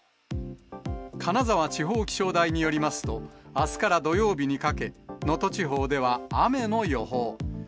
金沢地方気象台によりますと、あすから土曜日にかけ、能登地方では雨の予報。